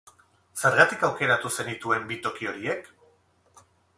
Zergatik aukeratu zenituen bi toki horiek?